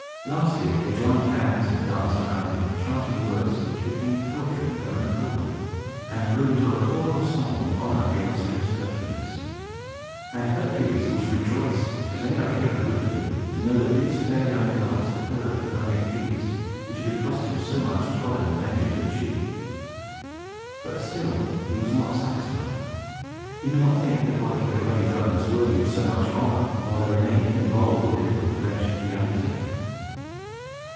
Lastly, they joined hands, and danced around him, chanting words which became poetry of their own accord, and grew into a choral song, in honor of the illustrious Hercules. And Hercules was rejoiced, as any other hero would have been, to know that these fair young girls had heard of the valiant deeds which it had cost him so much toil and danger to achieve. But, still, he was not satisfied. He could not think that what he had already done was worthy of so much honor, while there remained any bold or difficult adventure to be undertaken.